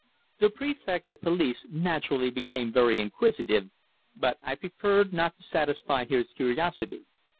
The Prefect of Police naturally became very inquisitive, but I preferred not to satisfy his curiosity.